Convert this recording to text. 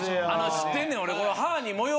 知ってんねん俺。